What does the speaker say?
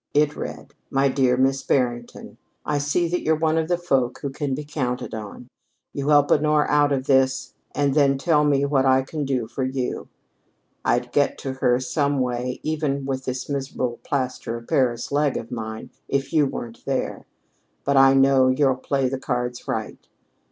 It read: "MY DEAR MISS BARRINGTON: "I see that you're one of the folk who can be counted on. You help Honora out of this and then tell me what I can do for you. I'd get to her some way even with this miserable plaster of Paris leg of mine if you weren't there. But I know you'll play the cards right.